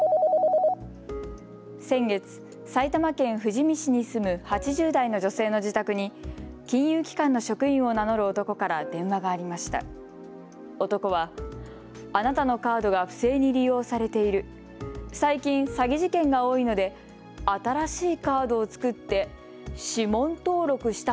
先月、埼玉県富士見市に住む８０代の女性の自宅に金融機関の職員を名乗る男から電話がありました。